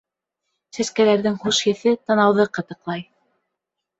Сәскәләрҙең хуш еҫе танауҙы ҡытыҡлай.